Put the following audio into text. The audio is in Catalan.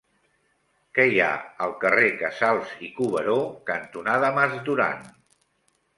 Què hi ha al carrer Casals i Cuberó cantonada Mas Duran?